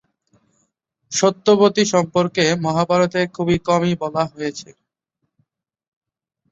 সত্যবতী সম্পর্কে মহাভারতে খুব কমই বলা হয়েছে।